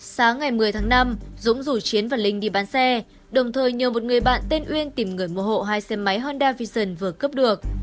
sáng ngày một mươi tháng năm dũng rủ chiến và linh đi bán xe đồng thời nhờ một người bạn tên uyên tìm người mua hộ hai xe máy honda vision vừa cấp được